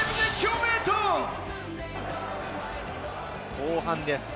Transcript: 後半です。